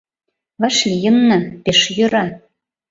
Вашлийынна, пеш йӧра.